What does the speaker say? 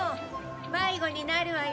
迷子になるわよ。